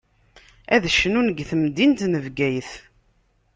Ad cnun di temdint n Bgayet.